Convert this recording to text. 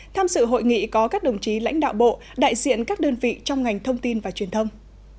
tham dự hội nghị có các đồng chí lãnh đạo bộ đại diện các đơn vị trong ngành thông tin và truyền thông